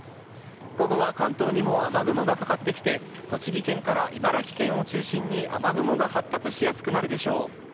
午後は関東にも雨雲がかかってきて栃木県から茨城県を中心に雨雲が発達しやすくなるでしょう。